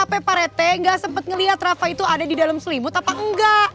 sampai pak rete gak sempet ngeliat rafa itu ada di dalam selimut apa enggak